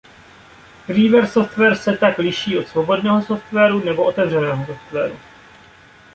Freeware software se tak liší od svobodného software nebo otevřeného software.